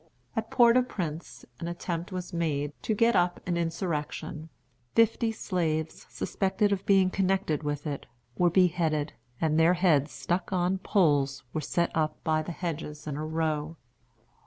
At Port au Prince an attempt was made to get up an insurrection. Fifty slaves, suspected of being connected with it, were beheaded, and their heads, stuck on poles, were set up by the hedges in a row.